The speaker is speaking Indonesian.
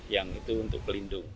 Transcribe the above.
yang itu untuk pelindung